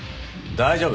大丈夫？